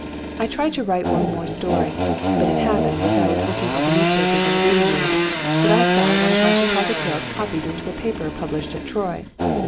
I tried to write one more story. But it happened, as I was looking over newspapers in a reading room, that I saw one of my Chicago tales copied into a paper published at Troy.